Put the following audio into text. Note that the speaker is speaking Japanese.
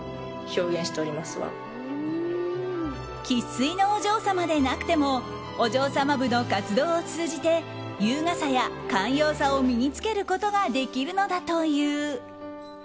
生粋のお嬢様でなくてもお嬢様部の活動を通じて優雅さや寛容さを身に着けることができるのだという。